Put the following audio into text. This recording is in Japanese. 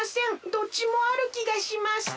どっちもあるきがします。